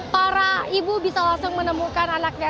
para ibu bisa langsung menemukan anaknya